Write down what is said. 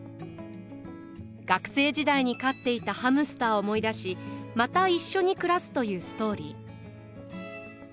学生時代に飼っていたハムスターを思い出しまた一緒に暮らすというストーリー。